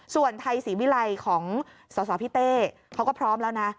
ส่วนไทยศรีวิรัยของสสพี่เต้เขาก็พร้อมแล้วนะ